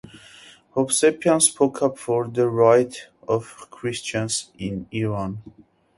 Hovsepian spoke up for the rights of Christians in Iran.